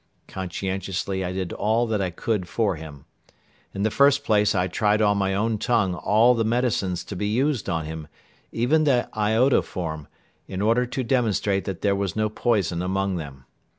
Conscientiously I did all that I could for him. In the first place I tried on my own tongue all the medicines to be used on him, even the iodoform, in order to demonstrate that there was no poison among them.